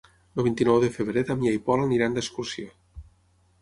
El vint-i-nou de febrer en Damià i en Pol iran d'excursió.